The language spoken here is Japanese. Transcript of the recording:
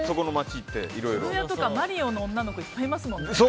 渋谷とかマリオの女の子いっぱいいますもんね。